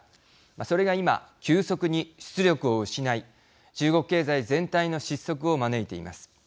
それが今、急速に出力を失い中国経済全体の失速を招いています。